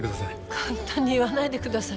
簡単に言わないでください。